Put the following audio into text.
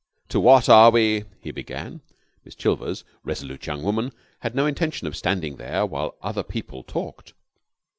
"To what are we ?" he began. Miss Chilvers, resolute young woman, had no intention of standing there while other people talked.